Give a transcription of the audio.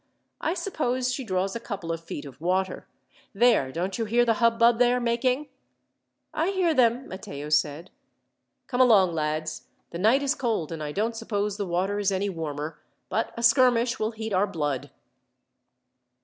I suppose she draws a couple of feet of water. There! Don't you hear the hubbub they are making?" "I hear them," Matteo said. "Come along, lads. The night is cold, and I don't suppose the water is any warmer, but a skirmish will heat our blood."